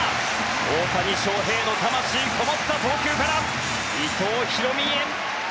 大谷翔平の魂こもった投球から伊藤大海へ。